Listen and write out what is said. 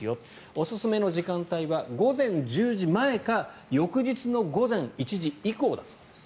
おすすめの時間帯は午前１０時前か翌日の午前１時以降だそうです。